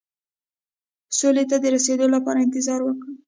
سولې ته د رسېدو لپاره انتظار وکړو.